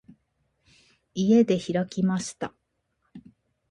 家で開きました。